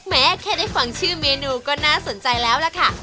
แค่ได้ฟังชื่อเมนูก็น่าสนใจแล้วล่ะค่ะ